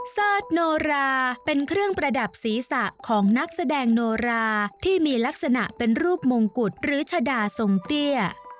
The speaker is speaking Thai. เสิร์ชโนราเป็นเครื่องประดับศีรษะของนักแสดงโนราที่มีลักษณะเป็นรูปมงกุฎหรือชะดาทรงเตี้ย